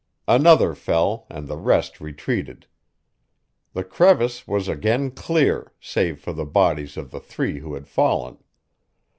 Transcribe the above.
Another fell, and the rest retreated. The crevice was again clear, save for the bodies of the three who had fallen.